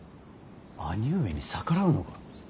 兄上に逆らうのか。